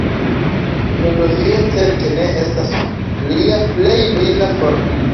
Filozofio certe ne estas lia plej brila forto.